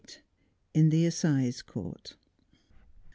IN THE ASSIZE COURT.